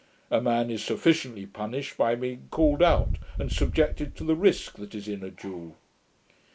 A man is sufficiently punished, by being called out, and subjected to the risk that is in a duel.'